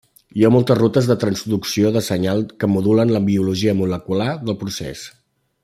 Hi ha moltes rutes de transducció de senyals que modulen la biologia molecular del procés.